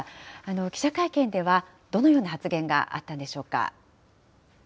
記者会見では、どのような発言があったんでしょうか。